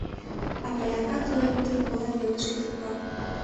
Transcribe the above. А паярка тугай ӱдыр ола велышке топка.